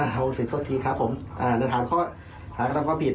โรงศึกษ์โทษทีครับผมในฐานข้อศักดิ์ความผิด